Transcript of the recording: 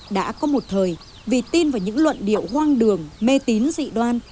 đã có một thời vì tin vào những luận điệu hoang đường mê tín dị đoan